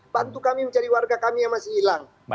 bantu kami mencari warga kami yang masih hilang